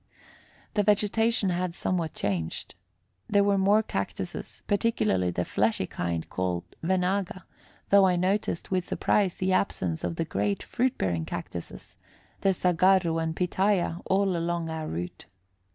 The vegetation had somewhat changed. There were more cactuses, particularly the fleshy kind called venaga, though I noticed with surprise the absence of the great fruit bearing cactuses, the saguarro and pitaya, all along our route.